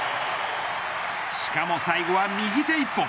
しかも、最後は右手１本。